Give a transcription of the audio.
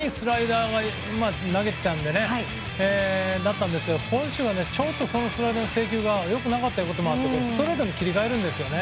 先週非常にいいスライダーを投げてたので今週はちょっとそのスライダーの制球が良くなかったということもあってストレートに切り替えるんです。